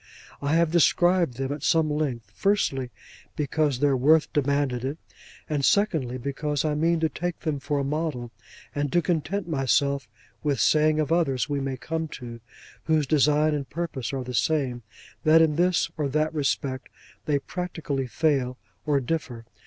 I have described them at some length; firstly, because their worth demanded it; and secondly, because I mean to take them for a model, and to content myself with saying of others we may come to, whose design and purpose are the same, that in this or that respect they practically fail, or differ.